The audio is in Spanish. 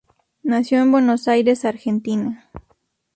Nació en Buenos Aires, Argentina.